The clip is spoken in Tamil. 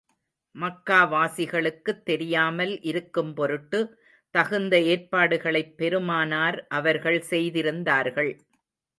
மக்காவாசிகளுக்குத் தெரியாமல் இருக்கும் பொருட்டு, தகுந்த ஏற்பாடுகளைப் பெருமானார் அவர்கள் செய்திருந்தார்கள்.